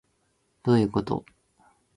どういうこと